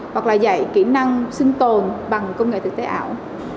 hoặc là dạy kỹ năng sinh tồn bằng công nghệ thực tế ảo